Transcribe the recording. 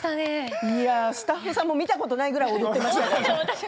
スタッフさんも見たことないぐらい踊っていました。